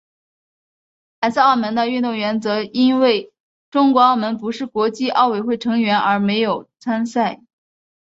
而来自澳门的运动员则因为中国澳门不是国际奥委会成员而没有参赛。